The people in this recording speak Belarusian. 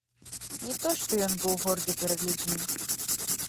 Не то што ён быў горды перад людзьмі.